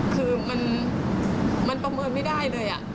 คือมันประเมินไม่ได้เลย